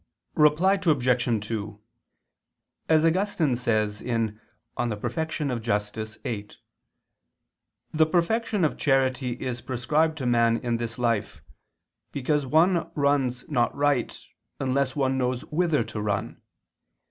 Reply Obj. 2: As Augustine says (De Perf. Justit. viii) "the perfection of charity is prescribed to man in this life, because one runs not right unless one knows whither to run.